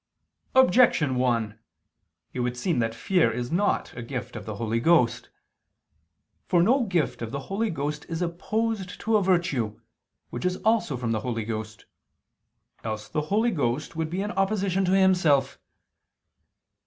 Objection 1: It would seem that fear is not a gift of the Holy Ghost. For no gift of the Holy Ghost is opposed to a virtue, which is also from the Holy Ghost; else the Holy Ghost would be in opposition to Himself.